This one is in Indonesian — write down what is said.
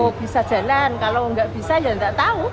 oh bisa jalan kalau nggak bisa ya nggak tahu